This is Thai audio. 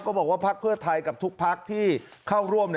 บอกว่าพักเพื่อไทยกับทุกพักที่เข้าร่วม